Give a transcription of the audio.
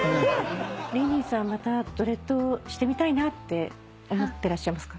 リンリンさんまたドレッドしてみたいなって思ってらっしゃいますか？